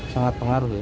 sangat pengaruh ya